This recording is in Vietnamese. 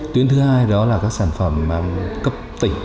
tuyến thứ hai đó là các sản phẩm cấp tỉnh